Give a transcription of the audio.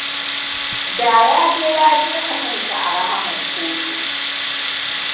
Da ya je ya jefa kanshi a rahaman kotu.